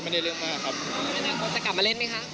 จะกลับมาเล่นไหมคะ